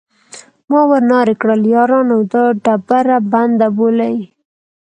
ما ور نارې کړل: یارانو دا ډبره بنده بولئ.